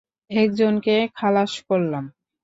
একজনকে খালাস করলাম।